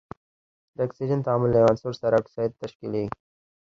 د اکسیجن تعامل له یو عنصر سره اکساید تشکیلیږي.